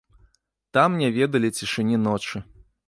Там не ведалі цішыні ночы.